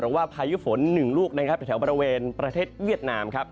หรือว่าพายุฝน๑ลูกในแถวบริเวณประเทศเวียดนาม